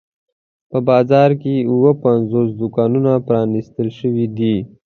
په بازار کې اووه پنځوس دوکانونه پرانیستل شوي دي.